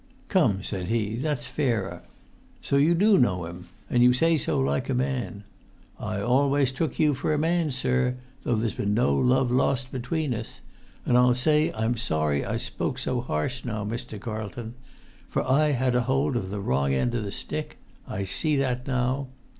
"Come," said he, "that's fairer! So you do know him, and you say so like a man. I always took you for a man, sir, though there's been no love lost between us; and I'll say I'm sorry I spoke so harsh just now, Mr. Carlton; for I had a hold of the wrong end o' the stick—I see that now.